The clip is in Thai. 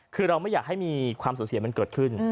คือเราไม่อยากให้มีความสูญเสียมันเกิดขึ้น